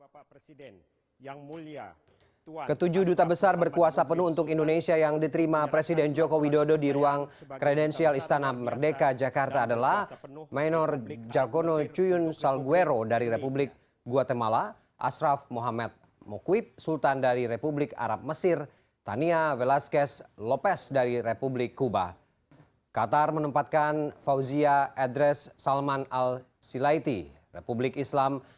proses penyerahan surat kepercayaan kepada tujuh duta besar tersebut sekaligus menandai dimulainya penerimaan resmi para duta besar negara sahabat